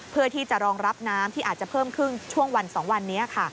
เพื่อที่จะรองรับน้ำที่อาจจะเพิ่มขึ้นช่วงวัน๒วันนี้ค่ะ